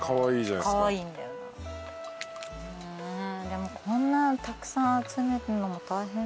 でもこんなたくさん集めるのも大変。